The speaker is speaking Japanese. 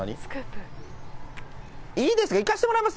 いいですか、いかしてもらいます。